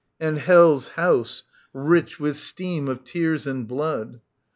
And Hell's house rich with steam of tears and blood.